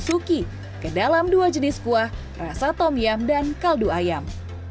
suki kedalam dua jenis kuah rasa tom yum dan kaldu ayam